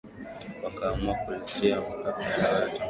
wakaamua kuliita mipaka ya Tanganyika kwa kutumia jina la ziwa kubwa